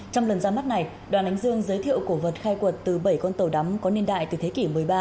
trong lần ra mắt này đoàn ánh dương giới thiệu cổ vật khai quật từ bảy con tàu đắm có niên đại từ thế kỷ một mươi ba